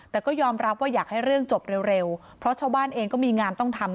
แต่ก็ยอมรับว่าอยากให้เรื่องจบเร็วเพราะชาวบ้านเองก็มีงานต้องทำ